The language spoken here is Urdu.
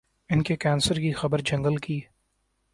ان کے کینسر کی خبر جنگل کی